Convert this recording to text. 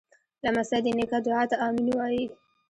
لمسی د نیکه دعا ته “امین” وایي.